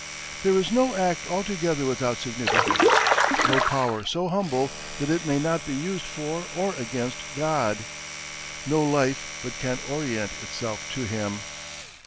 There is no act altogether without significance, no power so humble that it may not be used for or against God, no life but can orient itself to him.